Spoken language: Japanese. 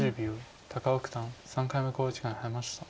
高尾九段３回目の考慮時間に入りました。